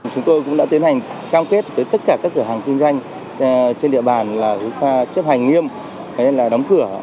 chúng tôi cũng đã tiến hành cam kết với tất cả các cửa hàng kinh doanh trên địa bàn là chúng ta chấp hành nghiêm đóng cửa